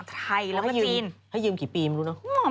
ถ้ายืมกี่ปีมันนรู้เนาะ